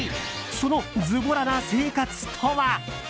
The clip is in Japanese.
そのずぼらな生活とは？